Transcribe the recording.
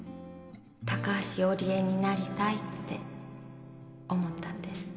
高橋織江になりたいって思ったんです。